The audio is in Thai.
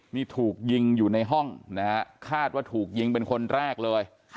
นี่ถูกยิงอยู่ในห้องนะฮะคาดว่าถูกยิงเป็นคนแรกเลย